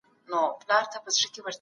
د زکات په مال کي د غریب برخه ده.